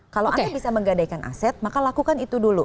kalau anda bisa menggadaikan aset maka lakukan itu dulu